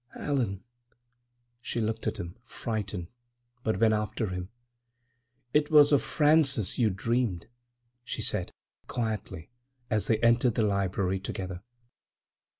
"Allan!" She looked at him, frightened, but went with him. "It was of Frances you dreamed," she said, quietly, as they entered the library together.